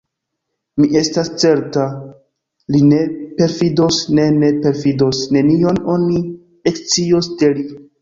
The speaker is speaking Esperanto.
Mi estas certa, li ne perfidos, ne, ne perfidos: nenion oni ekscios de li.